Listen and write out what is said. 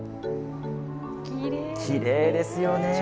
きれいですよね。